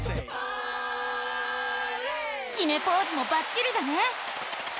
きめポーズもバッチリだね！